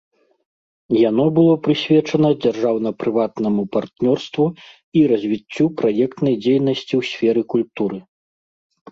Яно было прысвечана дзяржаўна-прыватнаму партнёрству і развіццю праектнай дзейнасці ў сферы культуры.